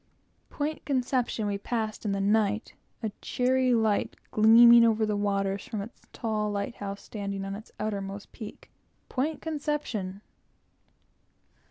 Point Conception we passed in the night, a cheery light gleaming over the waters from its tar light house, standing on its outermost peak. Point Conception!